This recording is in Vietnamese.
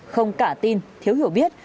không cả tin thiếu hiểu biết